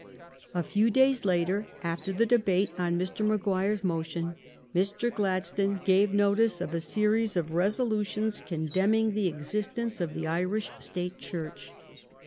A few days after the debate on Mr. Maguire's motion Mr. Gladstone gave notice of a series of resolutions condemning the existence of the Irish State Church.